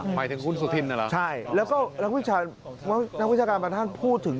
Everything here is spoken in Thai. หมายถึงคุณสุธินนะเหรอใช่แล้วก็นักวิชาการบางท่านพูดถึง